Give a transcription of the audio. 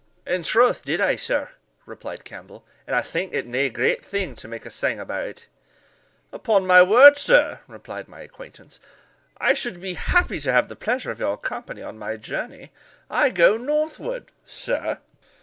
"In troth did I, sir," replied Campbell; "and I think it nae great thing to make a sang about." "Upon my word, sir," replied my acquaintance, "I should be happy to have the pleasure of your company on my journey I go northward, sir."